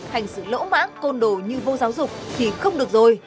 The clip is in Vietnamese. hành xử lỗ mãn côn đồ như vô giáo dục thì không được rồi